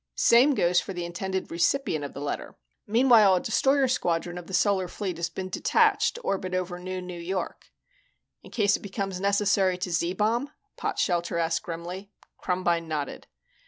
Same goes for the intended recipient of the letter. Meanwhile, a destroyer squadron of the Solar Fleet has been detached to orbit over NewNew York." "In case it becomes necessary to Z Bomb?" Potshelter asked grimly. Krumbine nodded.